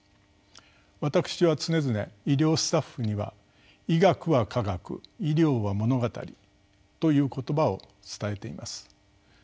私は常々医療スタッフには「医学は科学医療は物語」という言葉を伝えています。